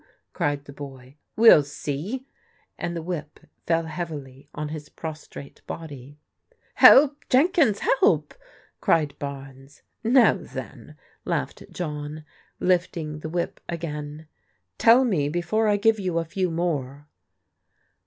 cried the boy. "We'll see," and the whip fell heavily on his prostrate body. " Help ! Jenkins, help !" cried Barnes. "Now then," laughed John, lifting the whip again, " tell me before I give you a few more."